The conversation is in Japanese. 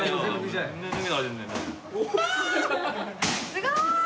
すごーい！